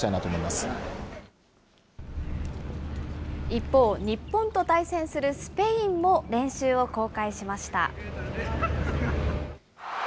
一方、日本と対戦するスペインも練習を公開しました。